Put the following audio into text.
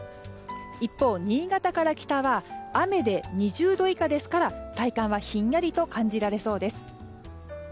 一方、新潟から北は雨で２０度以下ですから体感はひんやりと感じられそうです。